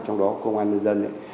trong đó công an nhân dân